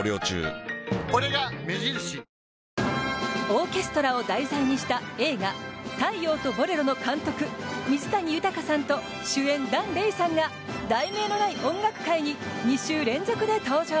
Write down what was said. オーケストラを題材にした映画「太陽とボレロ」の監督・水谷豊さんと主演・檀れいさんが「題名のない音楽会」に２週連続で登場。